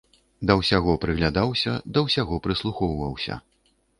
Да ўсяго прыглядаўся, да ўсяго прыслухоўваўся.